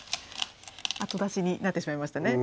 後出しになってしまいましたね。